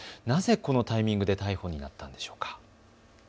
なぜこのタイミングで逮捕になったんでしょうか。